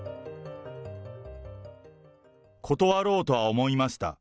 断ろうとは思いました。